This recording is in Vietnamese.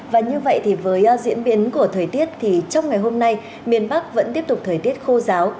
và như vậy thì với diễn biến của thời tiết thì trong ngày hôm nay miền bắc vẫn tiếp tục thời tiết khô giáo